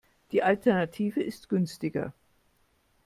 Die Alternative ist günstiger.